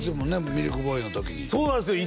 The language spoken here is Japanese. ミルクボーイの時にそうなんすよ